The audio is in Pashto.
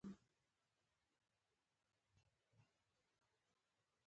د بهرنی نفوذ بڼه استعمار ته ورته ده.